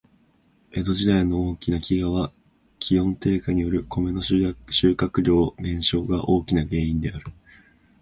江戸時代の大きな飢饉は、気温低下によるコメの収穫量減少が大きな原因である。